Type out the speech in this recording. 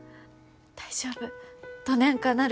大丈夫どねんかなる。